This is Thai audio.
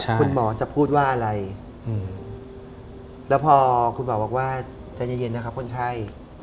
คุณหมอจะพูดว่าอะไรแล้วพอคุณหมอบอกว่าใจเย็นนะครับคนไข้